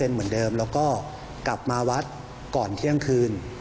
เหมือนเดิมแล้วก็กลับมาวัดก่อนเที่ยงคืน